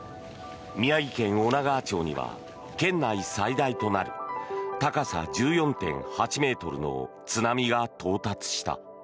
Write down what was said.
宮城県女川町には県内最大となる高さ１４．８ｍの津波が到達した。